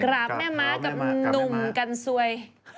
กราบแม่มักกับหนุ่มกันซวย